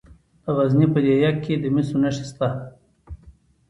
د غزني په ده یک کې د مسو نښې شته.